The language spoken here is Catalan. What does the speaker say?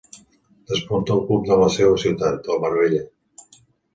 Despunta al club de la seua ciutat, el Marbella.